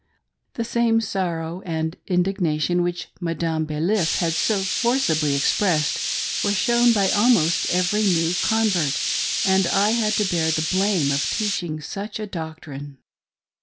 The same sorrow and indignation which Madame Baliff had so forcibly expressed, were shown by almost every new convert, and I had to bear the blame of teaching such a doctrine.